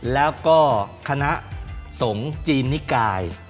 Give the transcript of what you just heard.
แล้วก็คณะสงฆ์จีนนิกาย